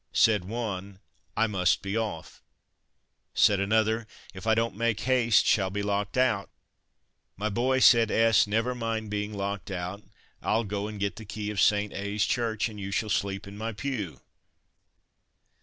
Said one, "I must be off." Said another, "If I don't make haste shall be locked out." "My boy," said S , "never mind being locked out, I'll go and get the key of St. A 's church, and you shall sleep in my pew!"